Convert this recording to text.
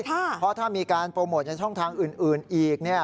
เพราะถ้ามีการโปรโมทในช่องทางอื่นอีก